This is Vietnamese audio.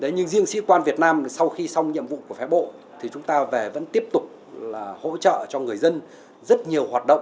nhưng riêng sĩ quan việt nam sau khi xong nhiệm vụ của phái bộ thì chúng ta về vẫn tiếp tục là hỗ trợ cho người dân rất nhiều hoạt động